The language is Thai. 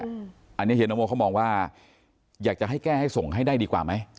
อันนี้เฮียนโมเขามองว่าอยากจะให้แก้ให้ส่งให้ได้ดีกว่าไหม